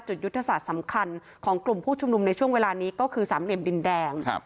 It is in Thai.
ยุทธศาสตร์สำคัญของกลุ่มผู้ชุมนุมในช่วงเวลานี้ก็คือสามเหลี่ยมดินแดง